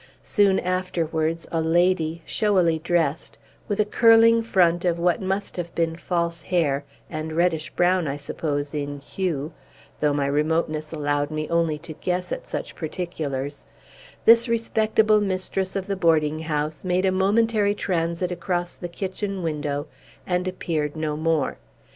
Soon afterwards, a lady, showily dressed, with a curling front of what must have been false hair, and reddish brown, I suppose, in hue, though my remoteness allowed me only to guess at such particulars, this respectable mistress of the boarding house made a momentary transit across the kitchen window, and appeared no more.